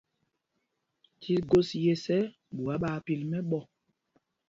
Tí gos yes ɛ, ɓuá ɓaa pil mɛ́ɓɔ́.